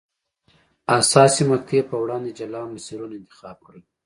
حساسې مقطعې په وړاندې جلا مسیرونه انتخاب کړل.